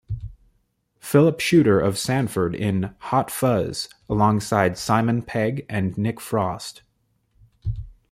Philip Shooter of Sandford in "Hot Fuzz", alongside Simon Pegg and Nick Frost.